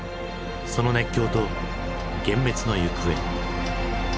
その熱狂と幻滅の行方。